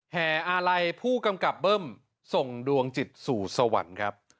แห่อาลัยผู้กำกับเบิ้มส่งดวงจิตสู่สวรรค์ครับ